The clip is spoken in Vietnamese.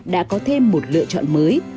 đã có thêm một lựa chọn mới